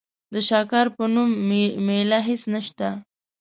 د شاکار په نوم مېله هېڅ نشته.